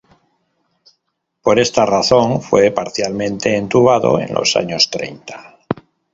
Por esta razón fue parcialmente entubado en los años treinta.